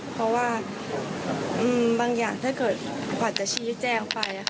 เพราะว่าบางอย่างถ้าเกิดขวัญจะชี้แจงไป